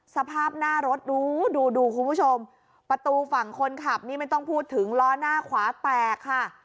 สภาพหน้ารถดูดูดูคุณผู้ชมประตูฝั่งคนขับนี่ไม่ต้องพูดถึงล้อหน้าขวาแตกค่ะ